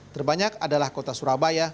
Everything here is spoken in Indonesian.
terbanyak adalah kota surabaya